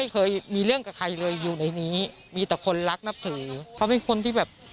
เขาไม่ใช่คนที่แบบ